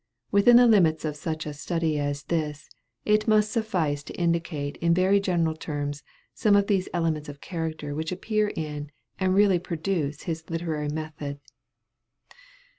Within the limits of such a study as this, it must suffice to indicate in very general terms some of these elements of character which appear in and really produce his literary method.